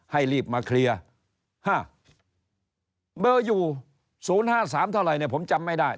ให้รีบมาเคลียร์๕เบอร์อยู่๐๕๓เท่าไหร่เนี่ยผมจำไม่ได้